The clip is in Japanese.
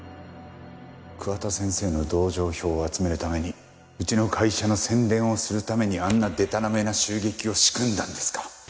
桑田先生の同情票を集めるためにうちの会社の宣伝をするためにあんなでたらめな襲撃を仕組んだんですか？